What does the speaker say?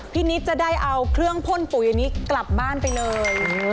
นิดจะได้เอาเครื่องพ่นปุ๋ยอันนี้กลับบ้านไปเลย